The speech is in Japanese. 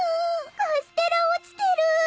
カステラ落ちてる。